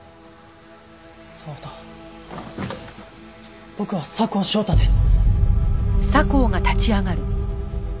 そうだ僕は佐向祥太です！